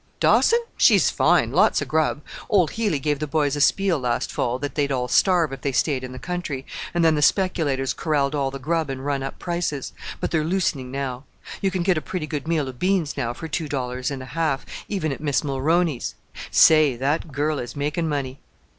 "Dawson! She's fine. Lots of grub. Old Healey gave the boys a speel last fall that they'd all starve if they stayed in the country, and then the speculators corralled all the grub and run up prices; but they're loosening now. You can get a pretty good meal of beans now for two dollars and a half even at Miss Mulrooney's. Say! that girl is making money."